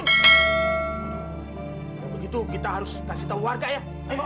kalau begitu kita harus kasih tahu warga ya